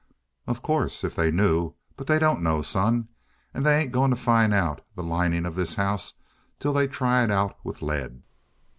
"Of course. If they knew. But they don't know, son, and they ain't going to find out the lining of this house till they try it out with lead."